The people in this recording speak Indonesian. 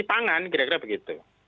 pangan kira kira begitu